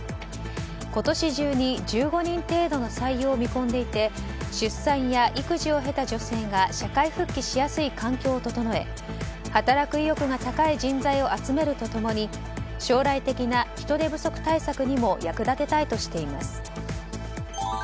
今年中に１５人程度の採用を見込んでいて出産や育児を経た女性が社会復帰しやすい環境を整え働く意欲が高い人材を集めると共に将来的な人手不足対策にも役立てたいとしています。